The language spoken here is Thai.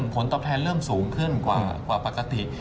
ผลตอบแทนเริ่มสูงขึ้นกว่าปกติ